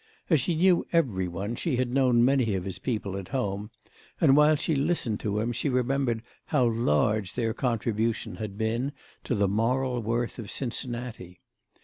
As she knew every one she had known many of his people at home, and while she listened to him she remembered how large their contribution had been to the moral worth of Cincinnati.